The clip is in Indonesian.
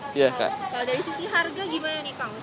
kalau dari sisi harga gimana nih kang